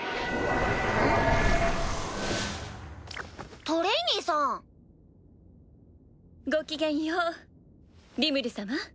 ん？トレイニーさん！ごきげんようリムル様。